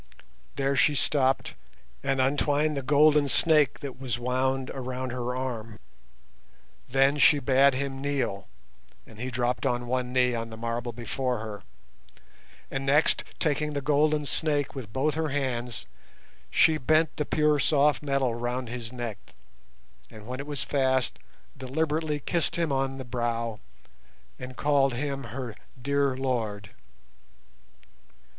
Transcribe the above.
There she stopped and untwined the golden snake that was wound around her arm. Then she bade him kneel, and he dropped on one knee on the marble before her, and next, taking the golden snake with both her hands, she bent the pure soft metal round his neck, and when it was fast, deliberately kissed him on the brow and called him her "dear lord".